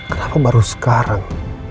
kenapa baru sekarang